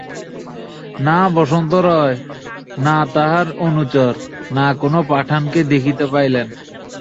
না বসন্ত রায়, না তাঁহার অনুচর, না কোনো পাঠানকে দেখিতে পাইলেন।